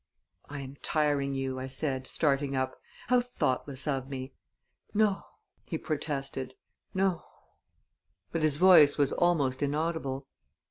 "I am tiring you!" I said, starting up. "How thoughtless of me!" "No," he protested; "no"; but his voice was almost inaudible.